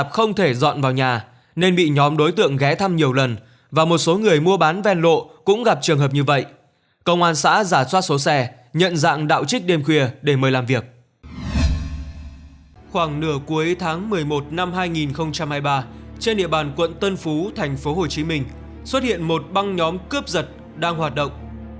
khoảng nửa cuối tháng một mươi một năm hai nghìn hai mươi ba trên địa bàn quận tân phú thành phố hồ chí minh xuất hiện một băng nhóm cướp giật đang hoạt động